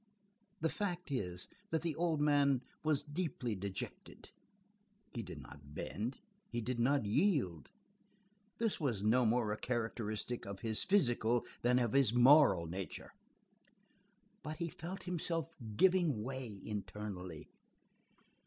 The fact is, that the old man was deeply dejected. He did not bend, he did not yield; this was no more a characteristic of his physical than of his moral nature, but he felt himself giving way internally.